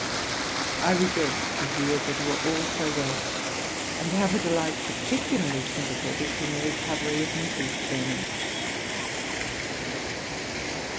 I rejoice to hear that you are all so well, and have a delight particularly sympathetick in the recovery of Mrs. Burney.'